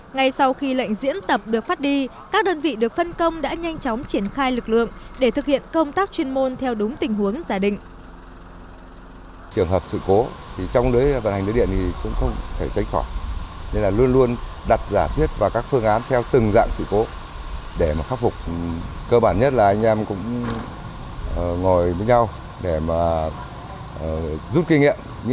ngay sau khi lệnh diễn tập được phát đi các đơn vị được phân công đã nhanh chóng triển khai lực lượng để thực hiện công tác chuyên môn theo đúng tình huống giả định